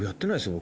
僕。